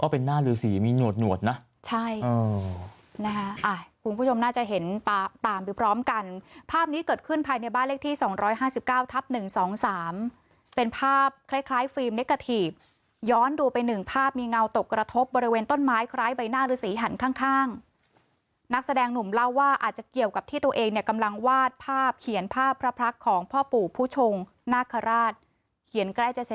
อ๋อเป็นหน้าหรือสีมีหนวดนะใช่คุณผู้ชมน่าจะเห็นตามไปพร้อมกันภาพนี้เกิดขึ้นภายในบ้านเลขที่๒๕๙ทับ๑๒๓เป็นภาพคล้ายฟิล์มเนกาถีย้อนดูไปหนึ่งภาพมีเงาตกกระทบบริเวณต้นไม้คล้ายใบหน้าหรือสีหันข้างนักแสดงหนุ่มเล่าว่าอาจจะเกี่ยวกับที่ตัวเองเนี่ยกำลังวาดภาพเขียน